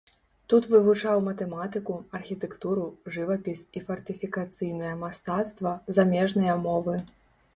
Тут вывучаў матэматыку, архітэктуру, жывапіс і фартыфікацыйнае мастацтва, замежныя мовы.